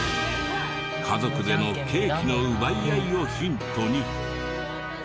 家族でのケーキの奪い合いをヒントに。